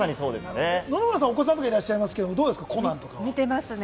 野々村さん、お子さんいらっしゃいますけれど、『コナン』はどう見てますね。